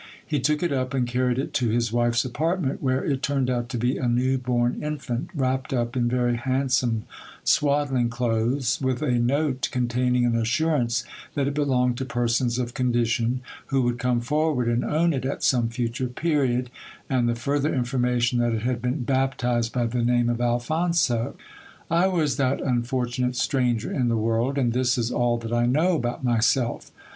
He took it up and carried it to his wife's apartment, where it turned out to be a new born infant, wrapped up in very handsome swaddling clothes, with a note containing an assurance that it belonged to persons of con dit on, who would come forward and own it at some future period ; and the further information that it had been baptized by the name of Alphonso. I was thst unfortunate stranger in the world, and this is all that I know about myself.